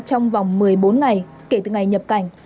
trong vòng một mươi bốn ngày kể từ ngày nhập cảnh